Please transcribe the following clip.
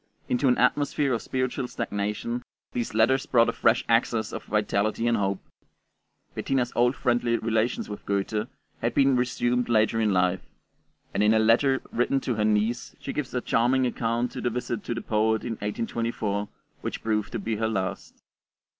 Into an atmosphere of spiritual stagnation, these letters brought a fresh access of vitality and hope. Bettina's old friendly relations with Goethe had been resumed later in life, and in a letter written to her niece she gives a charming account of the visit to the poet in 1824, which proved to be her last.